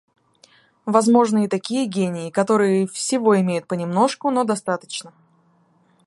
Возможны и такие гении, которые всего имеют понемножку, но достаточно.